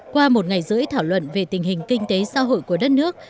qua một ngày rưỡi thảo luận về tình hình kinh tế xã hội của đất nước